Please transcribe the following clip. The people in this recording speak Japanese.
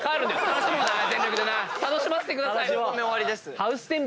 楽しませてください。